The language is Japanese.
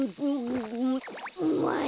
うまい。